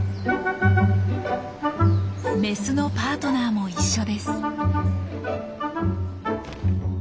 メスのパートナーも一緒です。